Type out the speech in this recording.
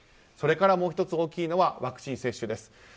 それからもう１つ大きいのはワクチン接種です。